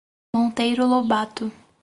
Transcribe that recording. Monteiro Lobato